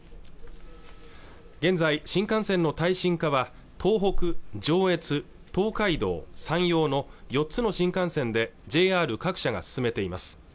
現在新幹線の耐震化は東北上越東海道山陽の４つの新幹線でＪＲ各社が進めています